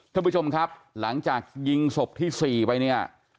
ท่านผู้ชมครับหลังจากยิงศพที่๔ไปเนี่ย